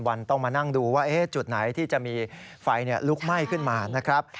วันต้องมานั่งดูว่าจุดไหนที่จะมีไฟลุกไหม้ขึ้นมานะครับ